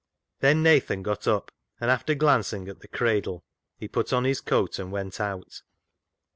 Then Nathan got up, and after glancing at the cradle he put on his coat and went out.